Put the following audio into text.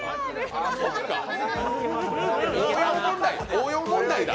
応用問題だ！